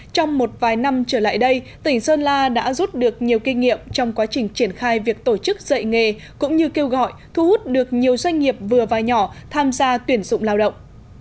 trong một vài năm trở lại đây tỉnh sơn la đã rút được nhiều kinh nghiệm trong quá trình triển khai việc tổ chức dạy nghề cũng như kêu gọi thu hút được nhiều doanh nghiệp vừa và nhỏ tham gia tuyển dụng lao động